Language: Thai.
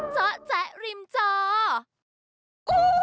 เจาะแจ๊กริมเจาะ